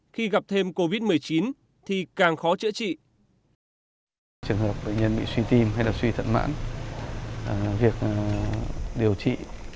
khi gặp thêm covid một mươi chín thì càng khó chữa trị